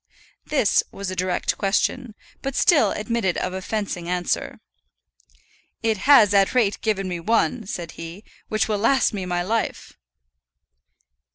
This was a direct question, but still admitted of a fencing answer. "It has, at any rate, given me one," said he, "which will last me my life!"